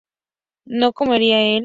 ¿no comería él?